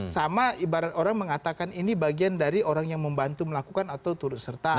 sama ibarat orang mengatakan ini bagian dari orang yang membantu melakukan atau turut serta